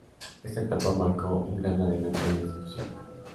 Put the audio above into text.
Esta etapa marcó un gran adelanto en la institución.